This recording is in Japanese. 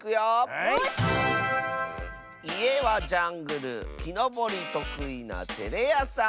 「いえはジャングルきのぼりとくいなてれやさん」。